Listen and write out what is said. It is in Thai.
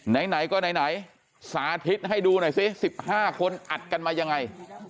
ไหนก็ไหนสาธิตให้ดูหน่อยสิ๑๕คนอัดกันมายังไง